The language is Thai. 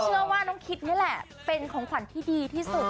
เชื่อว่าน้องคิดนี่แหละเป็นของขวัญที่ดีที่สุด